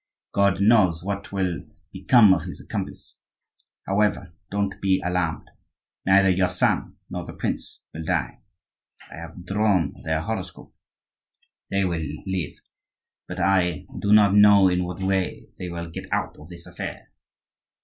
God knows what will become of his accomplice! However, don't be alarmed. Neither your son nor the prince will die; I have drawn their horoscope,—they will live; but I do not know in what way they will get out of this affair.